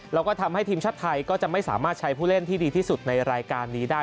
แล้วก็ทำให้ทีมชาติไทยก็จะไม่สามารถใช้ผู้เล่นที่ดีที่สุดในรายการนี้ได้